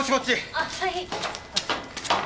あっはい。